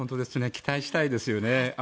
期待したいですね。